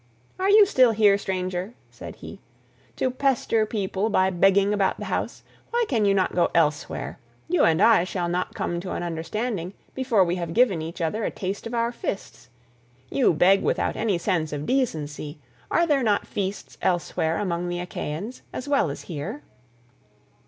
"Are you still here, stranger," said he, "to pester people by begging about the house? Why can you not go elsewhere? You and I shall not come to an understanding before we have given each other a taste of our fists. You beg without any sense of decency: are there not feasts elsewhere among the Achaeans, as well as here?"